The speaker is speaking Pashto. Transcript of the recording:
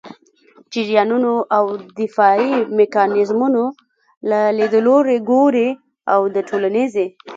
جریانونو او دفاعي میکانیزمونو له لیدلوري ګوري او د ټولنيزې